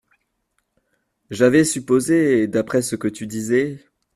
J’avais supposé,… d’après ce que tu disais…